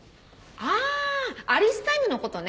あぁアリスタイムのことね。